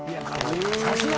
さすが。